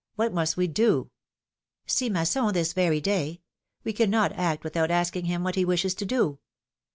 What must we do ?" See Masson this very day ! We cannot act without asking him what he wishes to do."